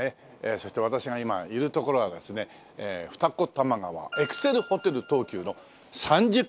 そして私が今いる所はですね二子玉川エクセルホテル東急の３０階にあるですね